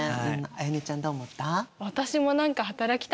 絢音ちゃんどう思った？